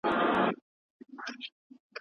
نويو سيمو ورته نوې شتمني راوړه.